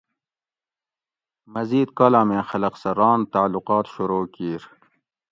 مزید کالامیں خلق سہ ران تعلقات شروع کیر